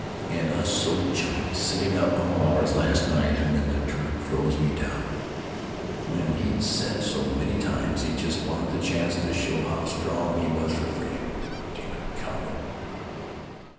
And us so chummy, sitting up all hours last night. And then the Turk throws me down.... When he'd said so many times he just wanted the chance to show how strong he was for Frazer.... Damn coward!